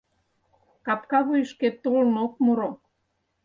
Капка вуйышкет толын ок муро.